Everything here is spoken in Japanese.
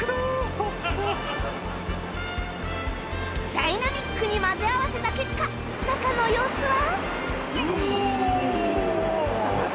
ダイナミックに混ぜ合わせた結果中の様子は